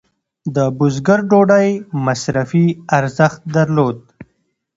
د بزګر ډوډۍ مصرفي ارزښت درلود.